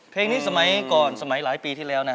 เพลงนี้สมัยก่อนสมัยหลายปีที่แล้วนะ